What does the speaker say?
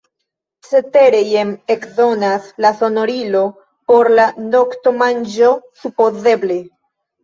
Cetere, jen eksonas la sonorilo; por la noktomanĝo, supozeble.